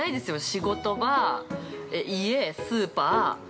仕事場、家、スーパー。